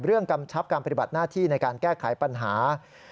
กำชับการปฏิบัติหน้าที่ในการแก้ไขปัญหา